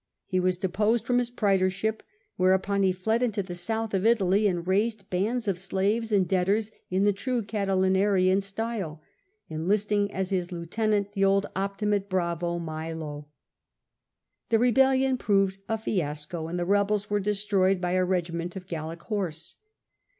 He was deposed from his praetor ship, whereupon he fled into the south of Italy, and raised bands of slaves and debtors in the true Catilinarian style, enlisting as his lieutenant the old Optimate bravo, Milo. The rebellion proved a fiasco, and the rebels were destroyed by a regiment of Gallic horse.